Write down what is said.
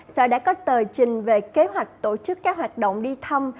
sở đã có tờ trình về kế hoạch tổ chức các hoạt động đi thăm